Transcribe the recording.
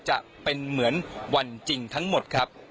จะเป็นเหมือนวันจริงทั้งหมดครับ